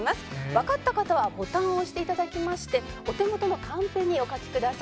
わかった方はボタンを押して頂きましてお手元のカンペにお書きください。